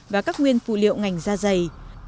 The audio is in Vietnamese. và các nguyên phụ liệu ngành da dày